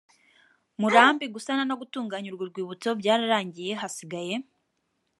murambi gusana no gutunganya urwo rwibutso byararangiye hasigaye